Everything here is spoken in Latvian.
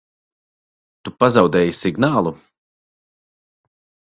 Tu pazaudēji signālu?